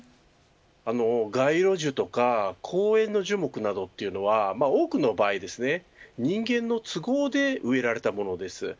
街路樹とか公園の樹木などは多くの場合、人間の都合で植えられたものです。